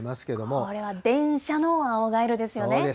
これは電車の青ガエルですよね。